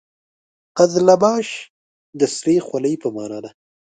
قزلباش د سرې خولۍ په معنا ده.